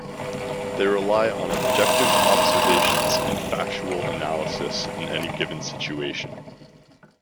They rely on objective observations and factual analysis in any given situation.